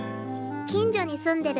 近所に住んでる瑠璃子